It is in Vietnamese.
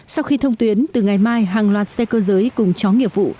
sau khi thông tuyến từ ngày mai hàng loạt xe cơ giới cùng chó nghiệp vụ